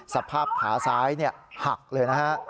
สภาพขาซ้ายหักเลยนะฮะ